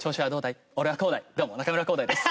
どうも中村浩大です。